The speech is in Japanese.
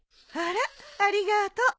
あらありがと。